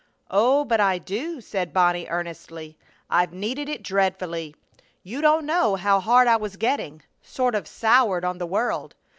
"Oh, but I do," said Bonnie, earnestly. "I've needed it dreadfully! You don't know how hard I was getting sort of soured on the world!